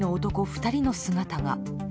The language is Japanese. ２人の姿が。